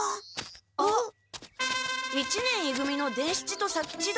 あっ一年い組の伝七と左吉だ。